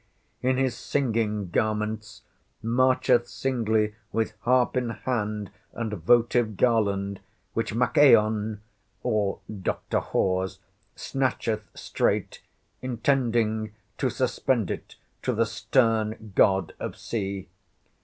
—in his singing garments marcheth singly, with harp in hand, and votive garland, which Machaon (or Dr. Hawes) snatcheth straight, intending to suspend it to the stern God of Sea.